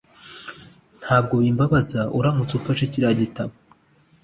Ntabwo bimbabaza uramutse ufashe kiriya gitabo.